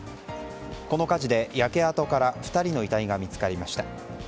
この火事で、焼け跡から２人の遺体が見つかりました。